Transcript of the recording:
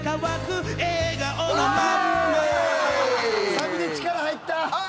サビで力入った！